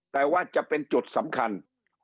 แต่ว่าจะเป็นจุดสำคัญ